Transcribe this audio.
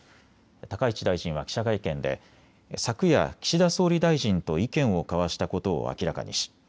高市大臣は記者会見で昨夜、岸田総理大臣と意見を交わしたことを明らかにし